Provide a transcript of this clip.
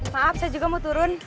maaf saya juga mau turun